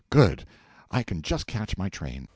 Good! I can just catch my train.